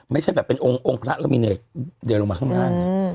ไม่ใช่แบบเป็นองค์องค์พระมีเนื้อเดือยลงมาข้างล่าง